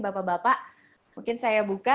bapak bapak mungkin saya buka